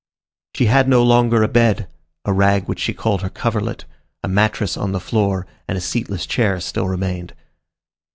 She had no longer a bed; a rag which she called her coverlet, a mattress on the floor, and a seatless chair still remained.